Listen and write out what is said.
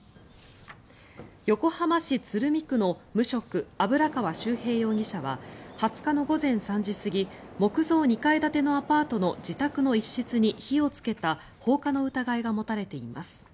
横浜市鶴見区の無職油川秀平容疑者は２０日の午前３時すぎ木造２階建てのアパートの自宅の一室に火をつけた放火の疑いが持たれています。